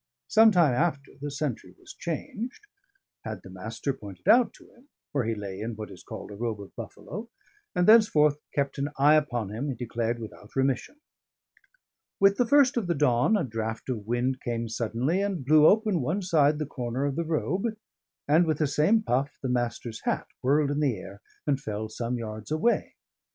Some time after, the sentry was changed; had the Master pointed out to him, where he lay in what is called a robe of buffalo: and thenceforth kept an eye upon him (he declared) without remission. With the first of the dawn, a draught of wind came suddenly and blew open one side the corner of the robe; and with the same puff, the Master's hat whirled in the air and fell some yards away.